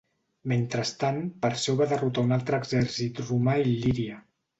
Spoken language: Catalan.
Mentrestant, Perseu va derrotar a un altre exèrcit romà a Il·líria.